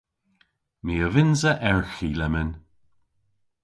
My a vynnsa erghi lemmyn.